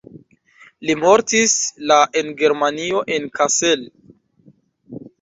Li mortis la en Germanio en Kassel.